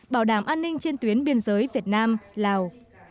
bảo đảm an ninh trên tuyến biên giới việt nam lào